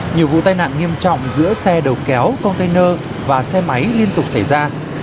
nhiều vụ tai nạn nghiêm trọng giữa xe đầu kéo container và xe máy liên tục xảy ra